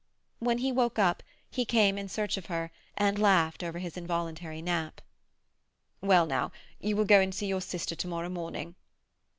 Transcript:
When he woke up, he came in search of her, and laughed over his involuntary nap. "Well, now, you will go and see your sister to morrow morning."